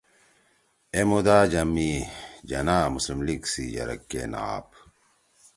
اے مُدا می جناح مسلم لیگ سی یرَک کے نہ آپ